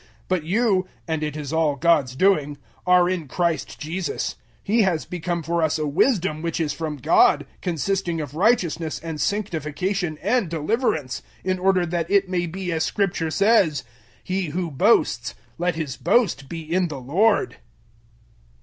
001:030 But you and it is all God's doing are in Christ Jesus: He has become for us a wisdom which is from God, consisting of righteousness and sanctification and deliverance; 001:031 in order that it may be as Scripture says, "He who boasts let his boast be in the Lord."